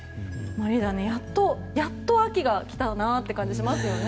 リーダー、やっと秋が来たなという感じがしますね。